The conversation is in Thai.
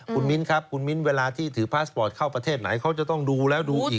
คุณมิ้นครับคุณมิ้นเวลาที่ถือพาสปอร์ตเข้าประเทศไหนเขาจะต้องดูแล้วดูอีก